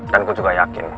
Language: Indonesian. dan gue juga yakin